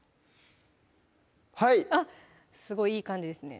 はいあっすごいいい感じですね